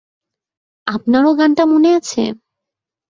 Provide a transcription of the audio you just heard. আপনার ও গানটা মনে আছে?